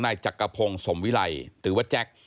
นายจักรพงศ์สมวิไลหรือว่าแจ็ค